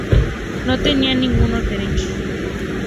No tenían ningunos derechos.